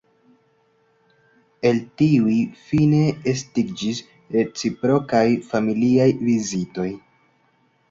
El tiuj fine estiĝis reciprokaj, familiaj vizitoj.